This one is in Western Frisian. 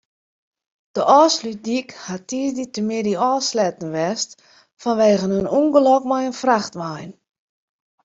De Ofslútdyk hat tiisdeitemiddei ôfsletten west fanwegen in ûngelok mei in frachtwein.